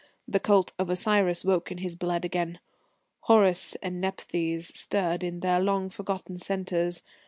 The cult of Osiris woke in his blood again; Horus and Nephthys stirred in their long forgotten centres.